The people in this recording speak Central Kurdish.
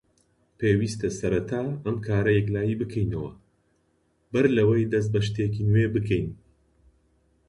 پێویستە سەرەتا ئەم کارە یەکلایی بکەینەوە بەر لەوەی دەست بە شتێکی نوێ بکەین.